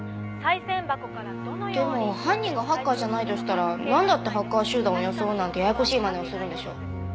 賽銭箱からどのように」でも犯人がハッカーじゃないとしたらなんだってハッカー集団を装うなんてややこしいまねをするんでしょう。